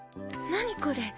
何これ。